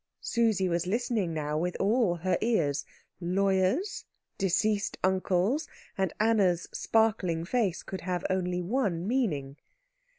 Susie was listening now with all her ears. Lawyers, deceased uncles, and Anna's sparkling face could only have one meaning.